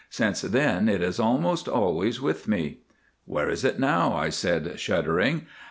Since then it is almost always with me." "Where is it now?" I said, shuddering.